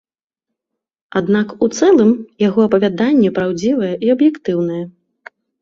Аднак у цэлым яго апавяданне праўдзівае і аб'ектыўнае.